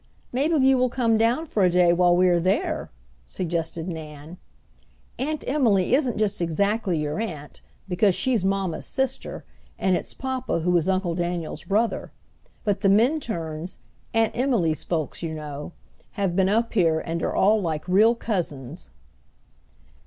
"Maybe you will come down for a day while we are there," suggested Nan. "Aunt Emily isn't just exactly your aunt, because she's mamma's sister, and it's papa who is Uncle Daniel's brother. But the Minturns, Aunt Emily's folks, you know, have been up here and are all like real cousins."